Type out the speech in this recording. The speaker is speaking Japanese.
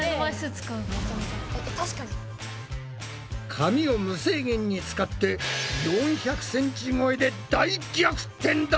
紙を無制限に使って４００ｃｍ超えで大逆転だ！